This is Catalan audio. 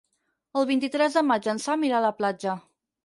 El vint-i-tres de maig en Sam irà a la platja.